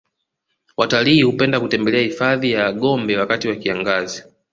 watalii hupenda kutembelea hifadhi ya gombe wakati wa kiangazi